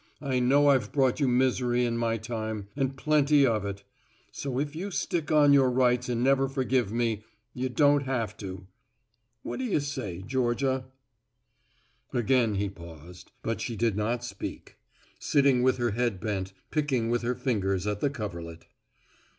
I know I've brought you misery in my time and plenty of it. So if you stick on your rights and never forgive me, you don't have to. What do you say, Georgia?" Again he paused, but she did not speak, sitting with her head bent, picking with her fingers at the coverlet.